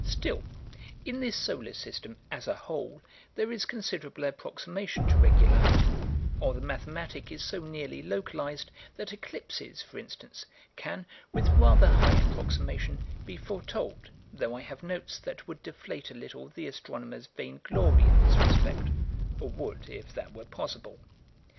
Still, in this solar system, "as a whole," there is considerable approximation to regularity; or the mathematic is so nearly localized that eclipses, for instance, can, with rather high approximation, be foretold, though I have notes that would deflate a little the astronomers' vainglory in this respect or would if that were possible.